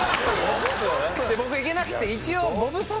僕行けなくて一応。